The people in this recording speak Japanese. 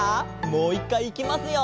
もう１かいいきますよ。